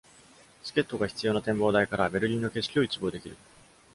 チケットが必要な展望台からは、ベルリンの景色を一望できる。